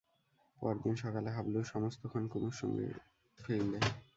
পরদিন সকালে হাবলু সমস্তক্ষণ কুমুর সঙ্গে সঙ্গে ফিরলে।